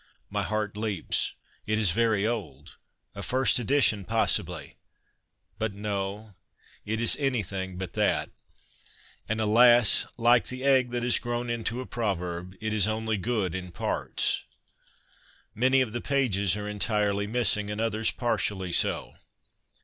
My heart leaps ; it is very old — a first edition possibly ! But no ; it is anything but that, and alas ! like the egg that has grown into a proverb, it is only good in parts. Many of the pages are entirely missing, and others partially so.